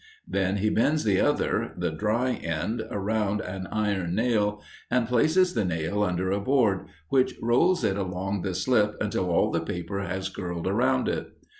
Then he bends the other the dry end around an iron nail, and places the nail under a board, which rolls it along the slip until all the paper has curled around it.